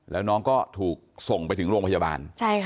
แล้วน้องก็ถูกส่งไปถึงโรงพยาบาล